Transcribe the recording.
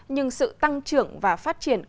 nhưng sự tăng trưởng và phát triển